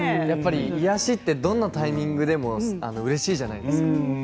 やっぱり癒やしってどんなタイミングでもうれしいじゃないですか。